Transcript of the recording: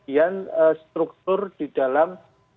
yang struktur di dalam